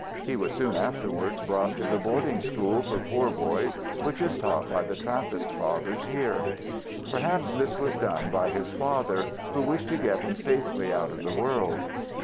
He was soon afterwards brought to the boarding school for poor boys which is taught by the Trappist fathers here. Perhaps this was done by his father, who wished to get him safely out of the world.